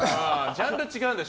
ジャンルが違うんだよ